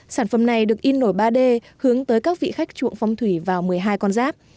sản phẩm này được in nổi ba d hướng tới các vị khách chuộng phong thủy vào một mươi hai con giáp